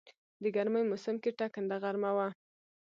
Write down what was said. د ګرمی موسم کې ټکنده غرمه وه.